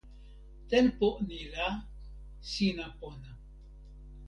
tenpo ni la, sina pona.